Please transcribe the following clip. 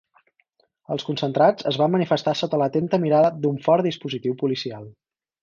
Els concentrats es van manifestar sota l’atenta mirada d’un fort dispositiu policial.